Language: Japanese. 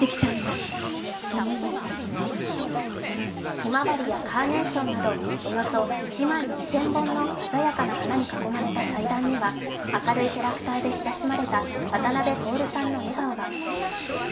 ひまわりやカーネーションなどおよそ１万２０００本の鮮やかな花に囲まれた祭壇には明るいキャラクターで親しまれた渡辺徹さんの笑顔が。